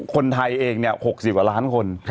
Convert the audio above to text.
คนไทยเองเนี่ย๖๐หว่าล้านคน